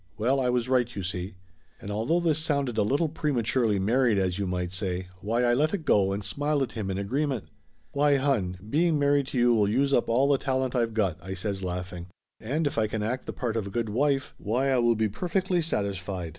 Well, I was right, you see!" And although this sounded a little prematurely mar ried as you might say, why I let it go and smiled at him in agreement. "Why, hon, being married to you will use up all the talent I've got!" I says, laughing. "And if I can act the part of a good wife, why I will be perfectly satis fied.